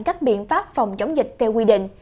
các biện pháp phòng chống dịch theo quy định